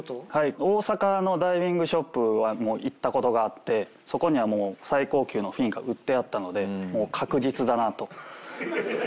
大阪のダイビングショップは行った事があってそこには最高級のフィンが売ってあったのでもう確実だなと。